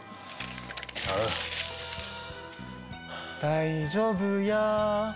大丈夫やぁ。